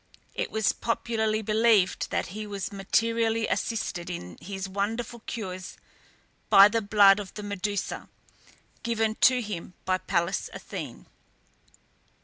It was popularly believed that he was materially assisted in his wonderful cures by the blood of the Medusa, given to him by Pallas Athene.